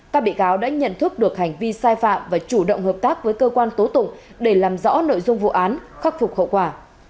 các bị cáo đã nhận thức được hành vi sai phạm và chủ động hợp tác với cơ quan tố tụng để làm rõ nội dung vụ án khắc phục hậu quả